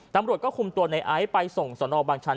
ตำรวจก็คุมตัวในไอซ์ไปส่งสนบางชัน